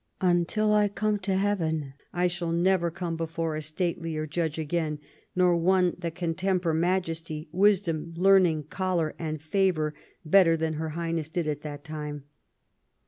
" Until I come to heaven I shall never come before a state lier judge again, nor one that can temper majesty, wisdom, learning, choler and favour better than Her Highness did at that time."